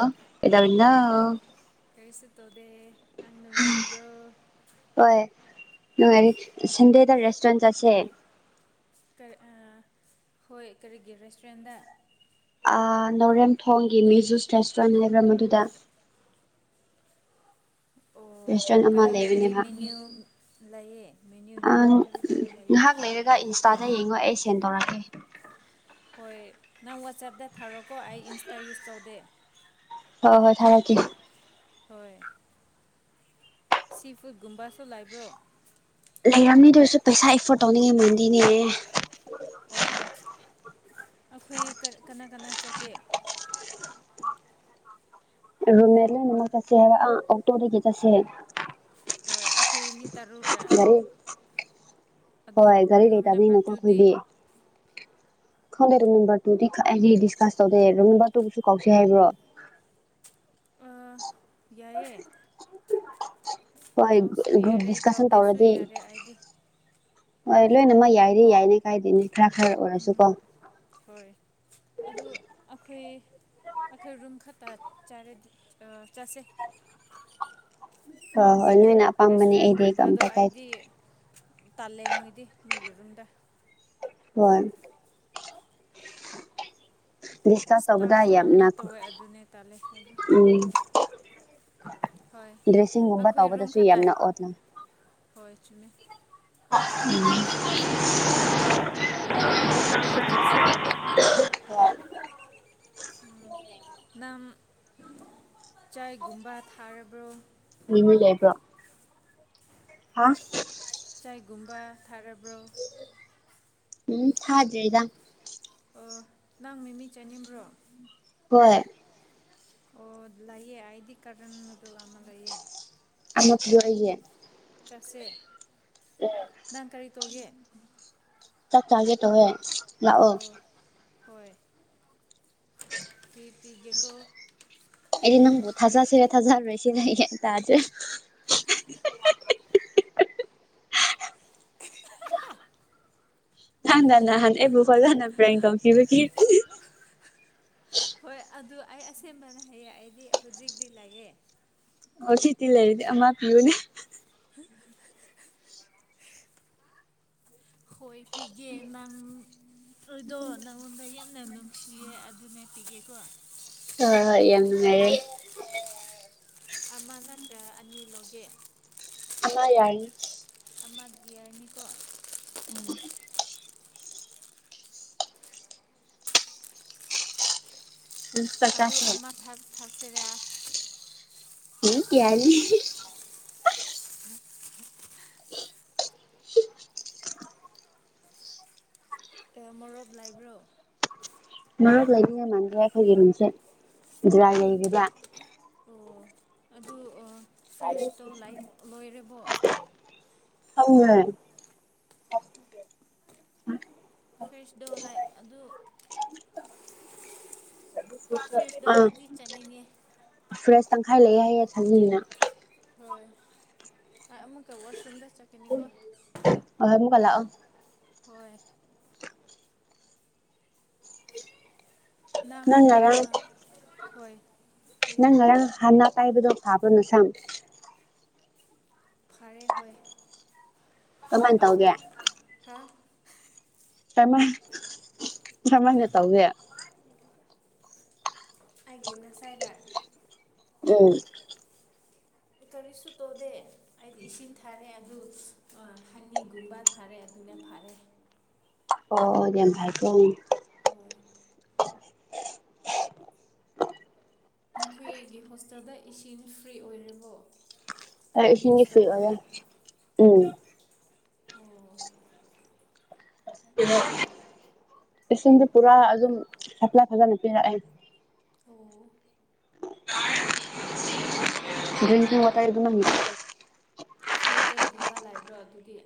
ꯑ ꯑꯦꯗꯥꯅ ꯀꯩꯁꯨ ꯇꯣꯗꯦ ꯅꯪꯅꯉꯔꯤꯔꯤꯕ꯭ꯔꯣ ꯍꯣꯏ ꯁꯟꯗꯦꯗ ꯔꯦꯁꯇꯨꯔꯦꯟ ꯑꯁꯦ ꯍꯣꯏ ꯀꯔꯤꯒꯤ ꯔꯦꯁꯇꯨꯔꯦꯟꯗ ꯂꯧꯎꯔꯦꯝꯊꯣꯡꯒꯤ ꯃꯦꯖꯨꯁ ꯔꯦꯁꯇꯨꯔꯦꯟ ꯍꯥꯏꯕ꯭ꯔ ꯃꯗꯨꯗ ꯑꯣ ꯔꯦꯁꯇꯨꯔꯦꯟ ꯑꯃ ꯀꯔꯤ ꯀꯔꯤ ꯂꯩꯕꯅꯦ ꯃꯥ ꯃꯦꯅ꯭ꯌꯨ ꯂꯩꯌꯦ ꯃꯦꯅ꯭ꯌꯨꯗꯣ ꯑꯪ ꯀꯔꯤ ꯀꯔꯤ ꯂꯩꯌꯦ ꯉꯍꯥꯛ ꯂꯩꯔꯒ ꯏꯟꯁꯇꯥꯗ ꯌꯦꯡꯉꯣ ꯑꯩ ꯁꯦꯟ ꯇꯧꯔꯛꯀꯦ ꯍꯣꯏ ꯅꯪ ꯋꯥꯆꯦꯞꯇ ꯊꯥꯔꯛꯀꯣ ꯑꯩ ꯏꯟꯁꯇꯥ ꯌꯨꯁ ꯇꯧꯗꯦ ꯍꯣꯏ ꯍꯣꯏ ꯊꯥꯔꯛꯀꯦ ꯍꯣꯏ ꯁꯤ ꯐꯨꯗꯀꯨꯝꯕꯁꯨ ꯂꯩꯕ꯭ꯔꯣ ꯂꯩꯔꯝꯅꯤꯗ ꯑꯣꯏꯔꯁꯨ ꯄꯩꯁꯥ ꯑꯦꯐꯣꯔꯠ ꯇꯧꯅꯤꯡꯉꯤ ꯃꯥꯟꯗꯤꯅꯦ ꯑꯣ ꯑꯩꯈꯣꯏ ꯀꯅꯥ ꯀꯅꯥ ꯆꯠꯀꯦ ꯃꯦ ꯂꯩ ꯆꯁꯦ ꯍꯥꯏꯕ ꯑ ꯑꯣꯛꯇꯣꯗꯒꯤ ꯆꯁꯦ ꯍꯥꯏꯦ ꯍꯣꯏ ꯑꯩꯈꯣꯏ ꯃꯤ ꯇꯔꯨꯨꯔꯥ ꯍꯣꯏ ꯒꯥꯔꯤ ꯂꯩꯇꯕꯅꯤ ꯅꯀꯣ ꯇꯨꯗꯤ ꯑꯩꯈꯨꯏꯗ ꯈꯪꯗꯦ ꯑꯗꯨꯣ ꯅꯝꯕꯔ ꯇꯨꯗꯤ ꯑꯩꯗꯤ ꯗꯤꯁꯀꯁ ꯇꯧꯗꯩ ꯑ ꯅꯝꯕꯔ ꯇꯨꯕꯨꯁꯨ ꯀꯧꯁ ꯍꯥꯏꯕ꯭ꯔꯣ ꯌꯥꯏꯌꯦ ꯍꯣꯏ ꯀꯧꯁꯨ ꯒ꯭ꯔꯨꯞ ꯌꯥꯔꯦ ꯗꯤꯁꯀꯁꯟ ꯀꯧꯗꯦꯁꯨ ꯇꯧꯔꯗꯤ ꯌꯥꯔꯦ ꯑꯩꯗꯤ ꯍꯣꯏ ꯂꯣꯏꯅꯃ ꯌꯥꯏꯗꯤ ꯌꯥꯏꯅꯦ ꯀꯥꯏꯗꯦꯅꯦ ꯈꯔ ꯈꯔ ꯑꯣꯏꯔꯁꯨꯀꯣ ꯍꯈꯨꯏ ꯑꯩꯈꯣꯏ ꯔꯨꯝ ꯈꯛꯇ ꯆꯠꯁꯦ ꯍꯣꯏ ꯍꯣꯏ ꯅꯣꯏꯅ ꯑꯄꯥꯝꯕꯅꯦ ꯑꯩꯗꯤ ꯑꯩ ꯑꯝꯇ ꯀꯥꯏꯦ ꯇꯥꯜꯂꯦ ꯃꯣꯏꯗꯤ ꯃꯣꯏꯒꯤ ꯔꯨꯝꯗ ꯍꯣꯏ ꯗꯤꯁꯀꯥꯁ ꯇꯧꯕꯗ ꯏꯁꯇꯥꯏꯜ ꯌꯥꯝꯅ ꯌꯥꯝꯀ ꯇꯧꯋꯦ ꯑꯗꯨꯅꯦ ꯇꯜꯂꯦ ꯍꯥꯏꯗꯤ ꯎꯝ ꯍꯣꯏ ꯗ꯭ꯔꯦꯁꯤꯡꯒꯨꯝꯕ ꯑꯩꯈꯣꯏ ꯇꯧꯕꯗꯁꯨ ꯌꯥꯝꯅ ꯑꯣꯠꯅ ꯆꯅ ꯎꯝ ꯈꯣꯏꯔꯨꯝ ꯐꯛꯇ ꯆꯥꯁꯦ [unintelligible] ꯅꯝ ꯆꯥꯏꯒꯨꯝꯕ ꯊꯥꯔꯕ꯭ꯔꯣ ꯃꯤꯃꯤꯏꯕ꯭ꯔꯣ ꯍꯥ ꯀꯩꯒꯨꯝꯕ ꯊꯥꯔꯕ꯭ꯔꯣ ꯎꯝ ꯍꯥꯏ꯭ꯔꯦꯗ ꯑꯣ ꯅꯪ ꯃꯤꯃꯤ ꯆꯥꯅꯤꯡꯕ꯭ꯔꯣ ꯍꯣꯏ ꯑꯣ ꯂꯩꯌꯦ ꯑꯗꯤ ꯀꯔ ꯇ ꯂꯃ ꯂꯩꯌꯦꯦ ꯑꯆ ꯌꯏꯦ ꯆꯠꯁꯦ ꯅꯪ ꯀꯔꯤ ꯇꯧꯒꯦ ꯆꯥꯛ ꯂꯒꯦ ꯇꯧꯋꯦ ꯂꯥꯛꯑꯣ ꯑꯣ ꯍꯣꯏ ꯐꯤ ꯄꯤꯦꯀ ꯑꯦꯅ ꯊꯖꯥ ꯁꯤꯔꯦ ꯊꯖꯥ ꯔꯣꯏꯁꯤ ꯅ ꯇ [inaudible] ꯅ ꯅ ꯍꯥꯟ ꯑꯦꯕꯨ ꯀꯗꯅ ꯄ꯭ꯔꯥꯏꯗꯣ ꯀꯕꯨ ꯍꯣꯏ ꯑꯗꯨ ꯑꯩ ꯑꯁꯦꯡꯕꯅ ꯍꯥꯏꯌꯦ ꯑꯩꯗꯤ ꯍꯧꯖꯤꯛꯇꯤ ꯂꯩꯑꯦ꯫ ꯑꯣ ꯁꯤꯦꯇꯤ ꯂꯩꯔꯤꯗꯤ ꯑ ꯃꯥ ꯄꯤꯌꯨꯅꯦ ꯍꯣꯏ ꯄꯤꯒꯦ ꯅꯪ ꯑꯩꯗꯣ ꯅꯪꯉꯣꯟꯗ ꯌꯥꯝꯅ ꯅꯨꯡꯁꯤꯌꯦ ꯑꯗꯨꯅ ꯄꯤꯒꯦꯀꯣ ꯑ ꯍꯣꯏ ꯌꯥꯝ ꯅꯨꯡꯉꯥꯏꯔꯦ ꯑꯃ ꯅꯠꯇ꯭ꯔ ꯑꯅꯤ ꯂꯧꯒꯦ ꯑ ꯌꯥꯔ ꯑꯃ ꯌꯔꯅꯤꯀꯣ ꯎꯝ ꯄꯆꯥꯥꯁ ꯇ꯭ꯔꯦ ꯍ ꯀꯌꯥ ꯃꯣꯔꯞ ꯂꯥꯏꯕ꯭ꯔꯣ ꯃꯔꯛ ꯂꯩꯅꯤꯡꯉꯩ ꯃꯥꯟꯗ꯭ꯔꯦ ꯑꯩꯈꯣꯏꯒꯤ ꯔꯨꯝꯁꯦ ꯖꯔꯥ ꯂꯩꯗ ꯑꯣ ꯑꯗꯨ ꯐ꯭ꯔꯦꯁꯇꯣ ꯂꯣꯏꯕꯣ ꯑ ꯐꯦꯁ ꯗꯣ ꯂꯥꯏ ꯑꯗꯨ ꯐ꯭ꯔꯦꯁꯇꯣ ꯑꯥ ꯑꯩꯗꯤ ꯆꯠꯅꯤꯡꯉꯦ ꯐ꯭ꯔꯦꯁ ꯇꯪꯈꯥꯏ ꯂꯩꯌꯦꯦ ꯍꯌꯦ ꯆꯪꯉꯤꯅ ꯍꯣꯏ ꯑꯃꯨꯛꯀ ꯋꯥꯁꯔꯨꯝꯗ ꯆꯥꯀꯤꯅꯤ ꯀꯣ ꯂ ꯑ ꯍꯣꯏ ꯅꯪ ꯍꯣꯏ ꯑꯌꯣ ꯅꯉ ꯍꯅ ꯀꯥꯏꯕꯗꯣ ꯐꯥꯕꯅ ꯁꯝ ꯐꯔꯦ ꯍꯣꯏ ꯀꯃꯥꯟ ꯇꯧꯒꯦ ꯍꯥ ꯇꯃ ꯊꯃꯦ ꯇꯧꯦ ꯑꯩꯒꯤ ꯅꯁꯥꯏꯔꯥ ꯎꯝ ꯀꯔꯤꯁꯨ ꯇꯧꯗꯦ ꯑꯩꯗꯤ ꯏꯁꯤꯡ ꯊꯥꯔꯦ ꯑꯗꯨ ꯍꯅꯤꯒꯨꯝꯕ ꯊꯥꯔꯦ ꯑꯗꯨꯅ ꯐꯥꯔꯦ ꯑꯣ ꯌꯥꯝꯦꯝ ꯍꯥꯏꯥꯏ ꯄ ꯍꯣꯏ ꯅꯈꯣꯏꯒꯤ ꯍꯣꯁꯇꯦꯜꯗ ꯏꯁꯤꯅ ꯐ꯭ꯔꯤ ꯑꯣꯏꯔꯤꯕꯣ ꯑ ꯏꯁꯤꯡꯁꯤꯡꯒꯁꯨ ꯎꯝ ꯑꯣ ꯏꯁꯤꯡꯁꯦ ꯄꯨꯔꯥ ꯑꯗꯨꯝ ꯁꯄꯂꯥ ꯐꯖꯅ ꯄꯤꯔꯛꯑꯦ ꯑꯣ ꯗꯔꯤꯀꯤ ꯑꯣꯏꯇꯥꯏ ꯑꯗꯨꯅ ꯐꯤꯜꯇꯔꯒꯨꯝꯕ ꯂꯩꯕ꯭ꯔꯣ ꯑꯗꯨꯗꯤ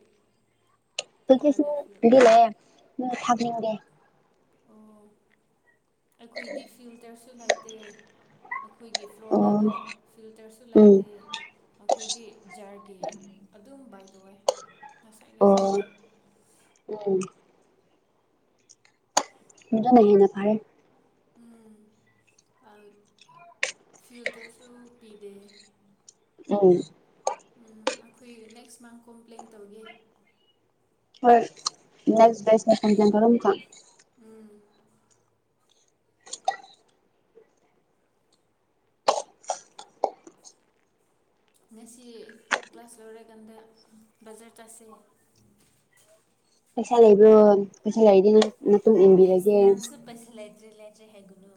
ꯑꯩ ꯊꯥꯔꯒ ꯐꯤꯜ ꯀꯗꯤ ꯂ ꯃ ꯊꯥꯄꯅꯤꯡꯗꯦ ꯑꯣ ꯑꯩꯈꯣꯏꯗꯤ ꯐꯤꯜꯇꯔꯁꯨ ꯂꯩꯇꯦ ꯑꯩꯈꯣꯏꯒꯤ ꯑꯣ ꯐ꯭ꯂꯣꯔꯗꯗꯣ ꯐꯤꯜꯇꯔꯁꯨ ꯎꯝ ꯂꯩꯇꯦ ꯑꯩꯈꯣꯏꯗꯤ ꯖꯥꯔꯒꯤ ꯑꯗꯨꯝꯕ ꯇꯦ ꯉꯁꯥꯏ ꯑꯣ ꯉꯁꯥꯏꯒꯤ ꯎꯝ ꯣ ꯅ ꯅ ꯐꯥꯦ ꯐ꯭ꯌꯜꯇꯔꯁꯨ ꯄꯤꯗꯦ ꯑ ꯎꯝ ꯑꯩꯈꯣꯏ ꯅꯦꯛꯁ ꯃꯟ ꯀꯣꯝꯄ꯭ꯂꯦꯟ ꯇꯧꯒꯦ ꯍꯣꯏ ꯅꯁ ꯗꯦꯁ ꯁꯖꯟ ꯇꯣ ꯅ ꯀ ꯉꯁꯤ ꯀ꯭ꯂꯥꯁ ꯂꯣꯏꯔꯀꯥꯟꯗ ꯕꯖꯥꯔ ꯇꯥꯥꯁꯦ꯫ [inaudible] ꯄꯩꯁꯥ ꯂꯩꯕ꯭ꯔꯣ ꯄꯩꯁꯥ ꯂꯩꯔꯗꯤ ꯅꯪ ꯃꯇꯨꯡ ꯏꯟꯕꯤꯔꯒꯦ ꯆꯠꯇ꯭ꯔꯦ ꯍꯥꯏꯒꯅꯨ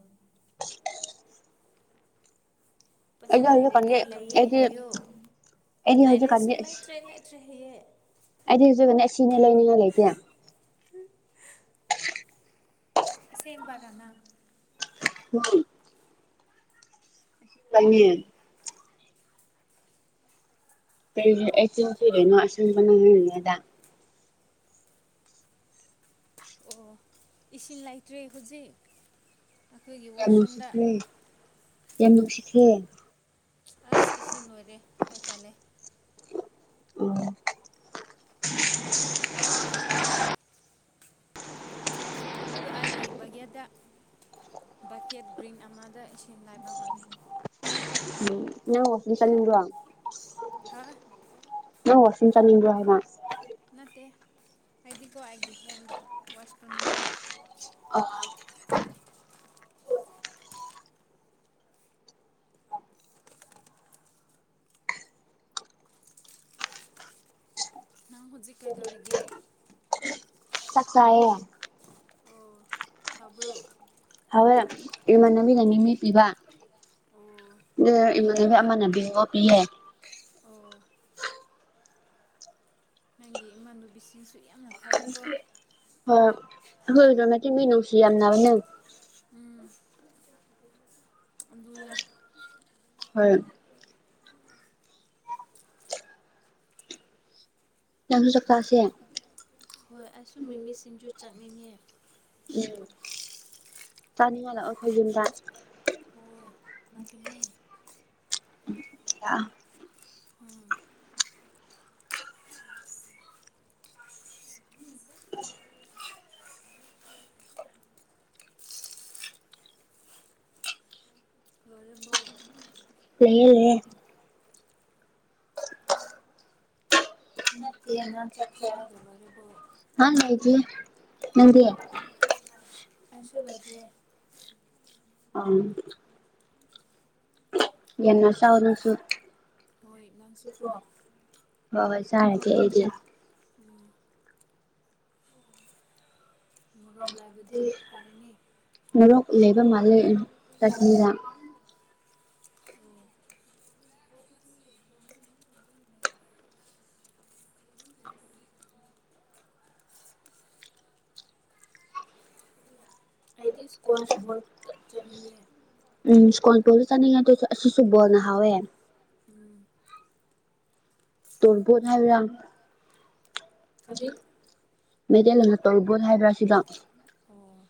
ꯑꯩꯗꯤ ꯄꯁꯟ ꯍꯧꯖꯤꯛꯀꯥꯟꯗꯤ ꯂꯩꯔꯗꯤ ꯂꯩꯌꯦ ꯑꯩꯗꯤ ꯍꯥꯏꯌꯣ ꯑꯩꯗꯤ ꯂꯥꯏꯔꯦꯁꯨ ꯍꯧꯖꯤꯛꯀꯥꯟꯗꯤ ꯑꯁ ꯂꯩꯇ꯭ꯔꯦ ꯂꯩꯇ꯭ꯔꯦ ꯍꯌꯦ ꯑꯩꯗꯤ ꯍꯧꯖꯤꯛ ꯑꯁꯤꯅꯦ ꯂꯩꯅꯤꯡꯉꯥꯏ ꯂꯩꯇꯦ ꯁꯦꯝ ꯄꯥꯅꯅ ꯎꯝ ꯅꯪꯒꯤ ꯆ ꯐꯗꯅꯣ ꯑꯁꯄꯅ ꯍꯥꯏꯗ [inaudible] ꯑꯣ ꯏꯁꯤꯡ ꯂꯩꯇ꯭ꯔꯦ ꯍꯧꯖꯤꯛ ꯑꯩꯈꯣꯏꯒꯤ ꯌꯥꯝ ꯋꯥꯁꯔꯨꯝꯗ ꯅꯨꯡꯁꯤꯈ꯭ꯔꯦ ꯌꯥꯝ ꯅꯨꯡꯁꯤꯈ꯭ꯔꯦ ꯑꯁ ꯏꯁꯤꯡ ꯂꯣꯏꯔꯦ ꯑꯩ ꯇꯥꯜꯂꯦ ꯎꯝ ꯑꯗꯨ ꯑꯩꯒꯤ ꯕꯒꯦꯗ ꯕꯛꯀꯦꯠ ꯒ꯭ꯔꯤꯟ ꯑꯃꯗ ꯏꯁꯤꯡ ꯂꯥꯏꯕ ꯃꯥꯜꯂꯦ ꯅ ꯋꯥꯁꯤ ꯇꯂꯤ ꯋꯥ ꯍꯥꯥ ꯅꯣꯏ ꯋꯥꯁꯤꯁꯤꯡꯤꯡꯇꯟ ꯏꯡ꯭ꯔꯣ ꯍꯥꯏ ꯃꯥ ꯅꯇ ꯑꯗꯨꯗꯤ ꯀꯒꯤ ꯍꯗ ꯋꯥꯁꯇꯅꯤꯡꯉ ꯑꯥ ꯅꯪ ꯍꯨꯖꯤꯛ ꯀꯩꯗꯧꯔꯤꯒꯦ ꯆꯥꯛ ꯆꯥꯢꯌꯦ ꯑꯣ ꯍꯥꯎꯕꯔꯣ ꯍꯋꯦ ꯏꯃꯥꯟꯅꯕꯤꯅ ꯃꯤꯅꯤ ꯄꯤꯕ ꯑꯣ ꯏꯃꯥꯟꯅꯕꯤ ꯏꯅꯥꯟꯅꯕꯤꯅꯥ ꯄꯤꯌꯦ ꯑꯣ ꯅꯪꯒꯤ ꯏꯃꯥꯟꯅꯨꯕꯤꯁꯤꯡꯁꯨ ꯌꯥꯝꯅ ꯐꯔꯦꯀꯣ ꯍ ꯍꯣꯏ ꯑꯗꯨ ꯃꯥ ꯃꯅꯧ ꯁꯤ ꯌꯥꯝꯅ ꯅ [inaudible] ꯎꯝ ꯑꯗꯨꯅꯦ ꯍꯣꯏ ꯅꯪꯁꯨ ꯆꯥꯛ ꯆꯥꯁꯦ ꯍꯣꯏ ꯑꯩꯁꯨ ꯃꯤꯃꯤꯁꯤꯡꯁꯨ ꯆꯠꯅꯤꯡꯉꯦ ꯆꯥꯅꯤꯡꯉꯥ ꯂꯥꯛꯑꯣ ꯑꯣꯈꯣꯏ ꯌꯨꯝꯗ ꯂꯛꯑꯣ ꯍꯣꯏ ꯂꯥꯛꯀꯅꯤ ꯎꯝ ꯂꯣꯏꯔꯕꯣ ꯂꯩꯌꯦ ꯂꯩꯌꯦ ꯅꯠꯇꯦ ꯅꯪ ꯆꯥꯛ ꯆꯔꯒ ꯂꯣꯢꯔꯕꯣ ꯍꯥ ꯂꯩꯇꯤꯌꯦ ꯅꯪꯗꯤ ꯑꯩꯁꯨ ꯂꯣꯏꯗ꯭ꯔꯦ ꯑꯝ ꯌꯦꯟꯅ ꯆꯥꯎ ꯅꯪꯁꯨ ꯍꯣꯏ ꯅꯪꯁꯨꯀꯣ ꯍꯣꯢ ꯍꯣꯢ ꯆꯔꯒꯦ ꯑꯩꯗꯤ ꯎꯝ ꯃꯣꯔꯣꯛ ꯂꯥꯏꯕꯗꯤ ꯐꯔꯅꯤ ꯍꯔ [inaudible] ꯑꯩꯗꯤ ꯏꯁꯀ꯭ꯋꯥꯁ ꯕꯣꯜ ꯆꯠ ꯆꯥꯠꯅꯤꯡꯉꯦ ꯎꯝ ꯁꯀꯣꯟꯄꯁꯨ [inaudible] ꯑꯁꯤꯁꯨꯕꯅꯍꯋꯦ ꯎꯝ ꯇꯕꯨꯊ ꯍꯥꯏꯔꯝ [inaudible] ꯀꯔꯤ ꯃꯩꯇꯩꯜꯅ ꯇꯣꯔꯕꯣꯠ ꯍꯥꯏꯕ꯭ꯔꯥ ꯁꯤꯗ ꯑꯣ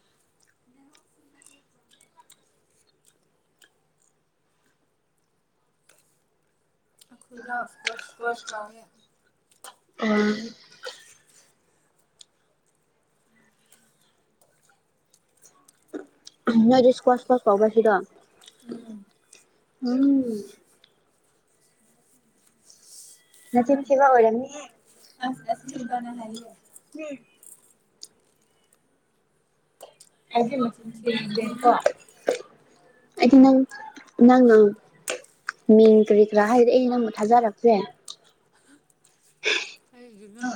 ꯑꯩꯈꯣꯏꯗꯣ ꯏꯁꯀ꯭ꯋꯥꯁ ꯏꯁꯀ꯭ꯋꯥꯁ ꯀꯧꯔꯦ ꯑꯣ ꯅꯣꯏꯗꯤ ꯏꯁꯀ꯭ꯋꯥ ꯁꯀꯋꯥꯁ ꯀ ꯄꯁꯤꯗꯣ ꯎꯝ ꯋꯥꯉ ꯅꯊ ꯊꯕ ꯑꯣꯏꯃꯤ ꯑ ꯑꯁ ꯑꯁꯦꯡꯕꯅ ꯍꯥꯏꯌꯦ ꯑꯩꯗꯤ ꯃꯆꯤꯟ ꯊꯤꯔꯤꯗꯦꯗꯀꯣ ꯑꯩꯗꯤꯅ ꯅꯪꯅ ꯃꯤꯡ ꯀꯔꯤ ꯀꯔꯥ ꯍꯥꯏꯔꯦ ꯑꯩ ꯅꯪꯕꯨ ꯊꯥꯖꯔꯛꯁꯦ ꯑꯩꯃ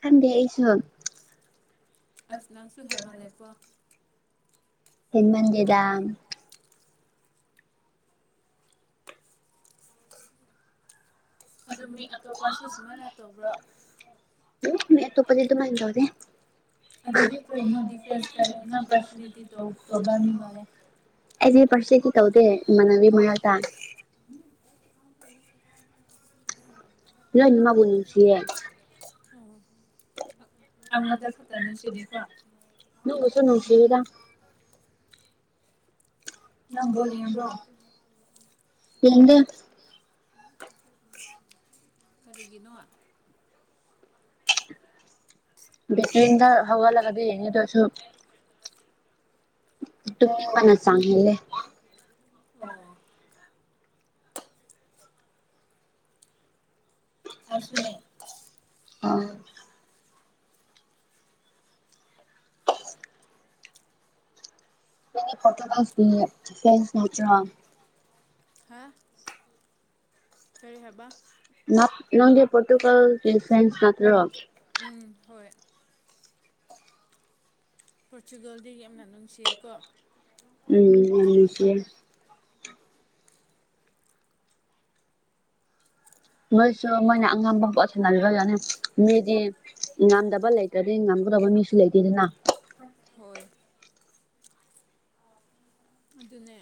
ꯈꯟꯗꯦ ꯑꯩꯁꯨ ꯑꯁ ꯂꯆꯁꯨ ꯍꯦꯃꯂꯌꯥꯀ ꯍꯃꯟꯗꯤꯗꯝ ꯑꯗꯨ ꯃꯤ ꯑꯇꯣꯞꯄꯁꯨ ꯁꯨꯃꯥꯏꯅ ꯇꯧꯕ꯭ꯔꯣ ꯃ ꯇꯨꯞꯄꯗꯃꯥꯏꯗ ꯑꯗꯨꯗꯤ ꯀꯩꯅꯣ [unintelligible] ꯗꯤꯐ꯭ꯔꯦꯟꯁ ꯀꯔꯤ ꯅꯪ ꯄꯥꯔꯁꯅꯦꯂꯤꯇꯤ ꯇꯧꯕ ꯃꯤ ꯃꯥꯜꯂꯦ ꯑꯩꯁ ꯄꯔꯁꯦꯒꯤ ꯇꯧꯗꯦ ꯃꯅꯕꯤ ꯃ ꯇ ꯏ ꯏꯃ ꯄꯨꯣꯜꯁꯤꯦ ꯍꯥ ꯅꯪꯕꯨꯁꯨ ꯅꯨꯡꯁꯤꯗ ꯅꯪ ꯕꯣꯜ ꯌꯦꯡꯕ꯭ꯔꯣ ꯌꯦꯡꯗꯦ [unintelligible] ꯀꯔꯤꯒꯤꯅꯣ ꯕꯀꯗ ꯍꯕ ꯂꯗ ꯍꯗ ꯁ [inaudible] ꯇ ꯄꯅꯥ ꯆꯂ [inaudible] ꯑꯣ ꯑꯩꯁꯨꯨꯅ꯭ꯌꯥ ꯑ ꯐ꯭ꯔ ꯍꯥ ꯀꯔꯤ ꯍꯕ ꯅꯪꯒꯤ ꯄꯣꯣꯔꯇꯨꯒꯜ ꯐ꯭ꯔꯦꯟꯁ ꯅꯠꯇ ꯎꯝ ꯍꯣꯏ ꯄꯣꯔꯆꯨꯒꯜꯗꯤ ꯌꯥꯝꯅ ꯅꯨꯡꯁꯤꯌꯦꯀꯣ ꯎꯝꯅꯨꯡꯁꯤꯦ ꯃꯣꯏꯁꯨ ꯃꯣꯏꯅ ꯑꯉꯝꯕ ꯄꯣꯠꯁꯟꯅꯂ ꯌꯥꯅꯤ ꯃꯤꯗꯤ ꯉꯝꯗꯕ ꯂꯩꯇ꯭ꯔꯗꯤ ꯀꯕ ꯃꯤꯁꯦꯅ ꯍꯣꯏ ꯑꯗꯨꯅꯦ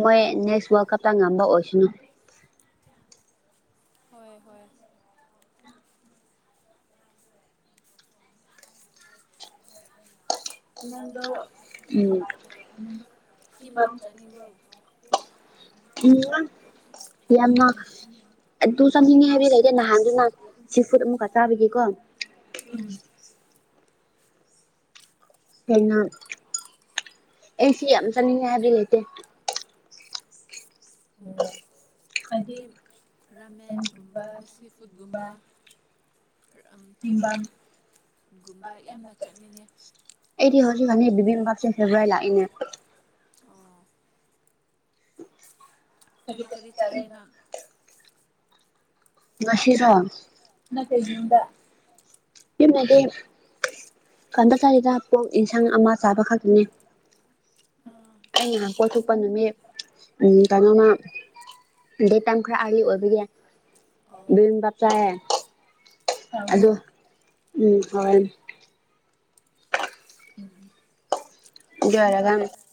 ꯃꯣꯏ ꯅꯦꯛꯁ ꯋꯥꯔꯜ ꯀꯞꯇ ꯉꯝꯕ ꯑꯣꯏꯁꯅꯣ ꯍꯣꯏ ꯍꯣꯏ ꯅꯪꯗꯣ ꯎꯝ ꯊꯝꯕꯥꯞꯆꯥ ꯅꯤꯡꯕꯞ ꯎꯝ ꯌꯥꯝꯃ ꯑꯗꯨ ꯆꯪꯅꯤꯡꯉꯦ ꯍꯥꯏꯕꯤꯔꯛꯏꯗꯤꯦ ꯅꯍꯥꯟꯗꯨ ꯅꯍ ꯁꯤ ꯐꯨꯗ ꯑꯃꯨꯛꯀꯛ ꯆꯥꯕꯒꯤꯀꯣ ꯎꯝ ꯎꯝ ꯀ ꯑꯦꯁꯤ ꯑ ꯆꯅꯤ ꯉ ꯍꯥꯏꯕ ꯂꯩꯇꯦ ꯎꯝ ꯍꯥꯏꯗꯤ ꯔꯥꯃꯦꯟꯒꯨꯝꯕ ꯁꯤ ꯐꯨꯗꯀꯨꯝꯕ ꯇꯤꯝꯕꯥꯝ ꯒꯨꯝꯕ ꯌꯥꯝꯅ ꯆꯠꯅꯤꯡꯉꯩ ꯕꯤ ꯄꯞꯁꯦ ꯐꯦꯕꯋꯥꯥꯏ ꯂꯥꯛꯏꯅꯦ ꯑꯣ ꯀ ꯀꯔꯤ ꯆ ꯃꯤꯔ ꯅꯠꯇꯦ ꯌꯨꯝꯗ ꯍꯃꯗꯤ ꯀꯟꯗ ꯆꯥꯁꯤꯗ ꯄꯣꯛ ꯏꯟꯁꯥꯡ ꯑꯃ ꯆꯥꯕ ꯈꯛꯇꯅꯦ ꯑꯥ ꯑꯩ ꯉꯥꯏꯍꯥꯛ ꯀꯣꯊꯣꯛꯄ ꯅꯨꯃꯤꯠ ꯎꯝ ꯀꯩꯅꯣꯃ ꯗꯦꯠ ꯇꯥꯏꯝ ꯈꯔ ꯑꯥꯔꯤ ꯑꯣꯏꯕꯒꯤ ꯌꯨꯝꯗ ꯤꯟꯕꯄꯦ ꯆꯥꯏꯌꯦ ꯑꯗ ꯍꯥꯎꯕ꯭ꯔꯣ ꯎꯝ ꯍ [unintelligible]